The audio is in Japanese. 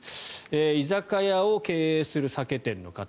居酒屋を経営する酒店の方。